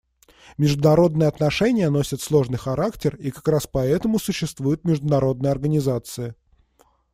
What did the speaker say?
Международные отношения носят сложный характер, и как раз поэтому и существуют международные организации.